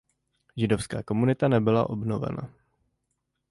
Židovská komunita nebyla obnovena.